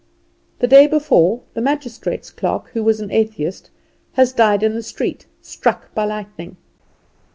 The day before the magistrate's clerk, who was an atheist, has died in the street struck by lightning.